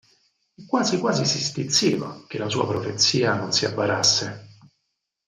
E quasi quasi si stizziva che la sua profezia non si avverasse.